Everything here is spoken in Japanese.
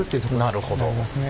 なるほど。